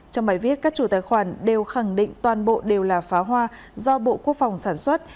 trong bài viết các chủ tài khoản đều khẳng định toàn bộ đều là pháo hoa do bộ quốc phòng sản xuất